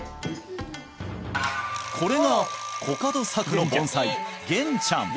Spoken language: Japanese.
これがコカド作の盆栽「ゲンちゃん」